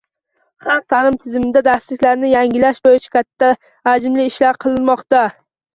Xalq taʼlimi tizimida darsliklarni yangilash boʻyicha katta hajmli ishlar qilinmoqda